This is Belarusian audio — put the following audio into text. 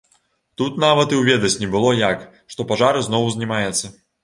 Тут нават і ўведаць не было як, што пажар зноў узнімаецца.